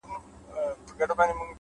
چې انسان يې دی پيدا که ملايکه